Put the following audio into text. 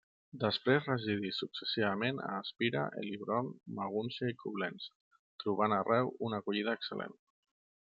Després residí successivament a Espira, Heilbronn, Magúncia i Coblença, trobant arreu una acollida excel·lent.